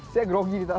saya grogi di tengah ini